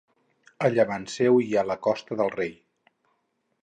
A llevant seu hi ha la Costa del Rei.